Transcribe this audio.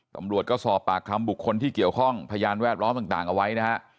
ตำรวจก็สอบปากคำบุคคลที่เกี่ยวข้องพยานแวดล้อมต่างเอาไว้นะฮะ